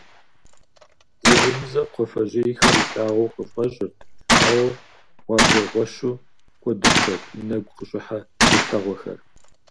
Зэзэмызэ кхъуафэжьейхэр илъагъуу къыфӏэщӏырт, ауэ гъуабжэгъуэщу кӏуэдыжхэрт и нэгу къыщӏыхьэ теплъэгъуэхэр.